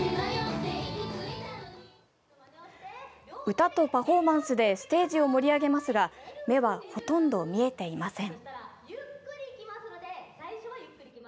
歌とパフォーマンスでステージを盛り上げますが目はほとんど見えていません。